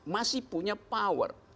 masih punya power